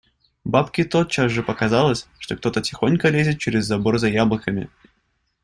Бабке тотчас же показалось, что кто-то тихонько лезет через забор за яблоками.